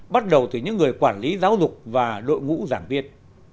bắt đầu từ những người quản lý giáo dục và đội ngũ giảng viên